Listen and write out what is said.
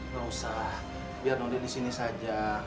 gak usah biar noni disini saja